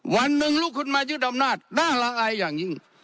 วันหนึ่งลูกคุณมายึดอำนาจน่าละอายอย่างยิ่ง